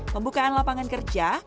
pembukaan lapangan kerja